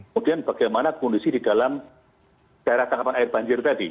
kemudian bagaimana kondisi di dalam daerah tangkapan air banjir tadi